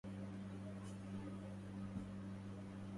موافق